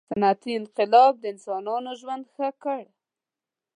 • صنعتي انقلاب د انسانانو ژوند ښه کړ.